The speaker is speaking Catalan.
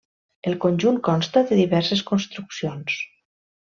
El conjunt consta de diverses construccions.